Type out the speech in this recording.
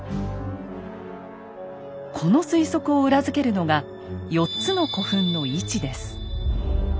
この推測を裏付けるのが４つの古墳の位置です。